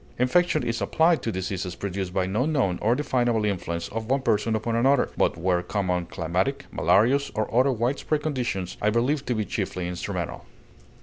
Infection is applied to diseases produced by no known or definable influence of one person upon another, but where common climatic, malarious, or other wide spread conditions are believed to be chiefly instrumental.